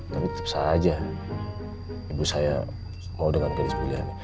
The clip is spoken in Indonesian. tapi tetap saja ibu saya mau dengan gadis pilihannya